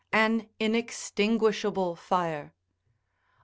an inextinguishable fire.